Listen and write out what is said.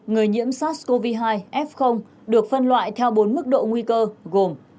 người nghiễm sắc covid một mươi chín f được phân loại theo bốn mức độ nguy cơ gồm